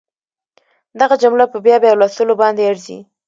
دغه جمله په بیا بیا لوستلو باندې ارزي